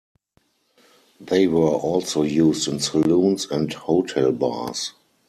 They were also used in saloons and hotel bars.